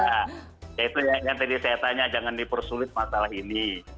ya itu yang tadi saya tanya jangan dipersulit masalah ini